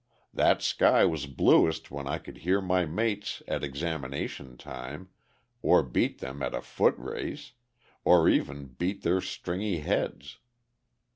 That sky was bluest when I could beat my mates at examination time, or beat them at a foot race, or even beat their stringy heads.